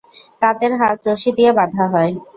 তাদের হাত রশি দিয়ে বাঁধা হয়।